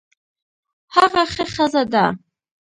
هغه ښه ښځه ده